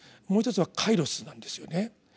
もう一つは「カイロス」なんですよね。